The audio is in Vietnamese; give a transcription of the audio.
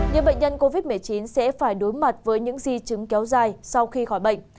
những bệnh nhân covid một mươi chín sẽ phải đối mặt với những di chứng kéo dài sau khi khỏi bệnh